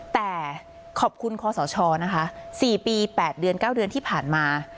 แต่ขอบคุณคอสชนะคะ๔ปี๘เดือน๙เดือนที่ผ่านมา